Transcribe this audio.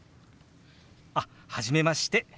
あっ初めまして。